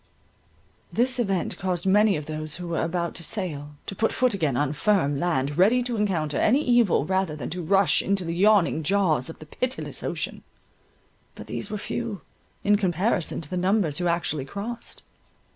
This event caused many of those who were about to sail, to put foot again on firm land, ready to encounter any evil rather than to rush into the yawning jaws of the pitiless ocean. But these were few, in comparison to the numbers who actually crossed.